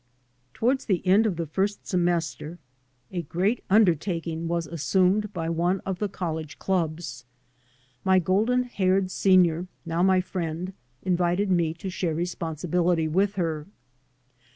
Toward the end of the first semester a 3 by Google MY MOTHER AND I great undertaking was assumed by one of the college clubs. My golden haired senior, now my friend, invited me to share responsibility with her.